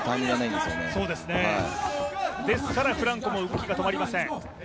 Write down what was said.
ですからフランコも動きが止まりません。